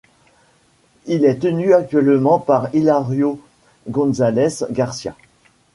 Il est tenu actuellement par Hilario González García.